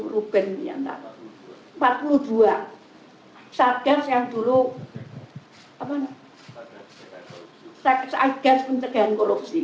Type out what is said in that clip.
dua puluh ruben ini yang tadi empat puluh dua satgas yang dulu apa namanya satgas pencegahan kolupsi